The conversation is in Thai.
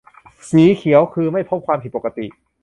- สีเขียวคือ ไม่พบความผิดปกติ